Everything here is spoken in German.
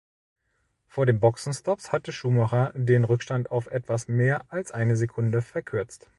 Vor den Boxenstopps hatte Schumacher den Rückstand auf etwas mehr als eine Sekunde verkürzt.